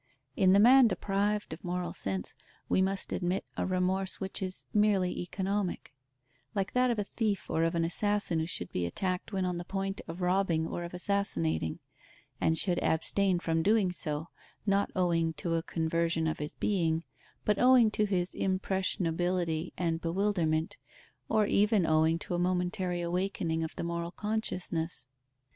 In the man deprived of moral sense, we must admit a remorse which is merely economic; like that of a thief or of an assassin who should be attacked when on the point of robbing or of assassinating, and should abstain from doing so, not owing to a conversion of his being, but owing to his impressionability and bewilderment, or even owing to a momentary awakening of the moral consciousness.